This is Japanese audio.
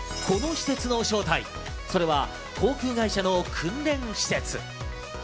この施設の正体、それは航空会社の訓練施設。